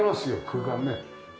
空間ね。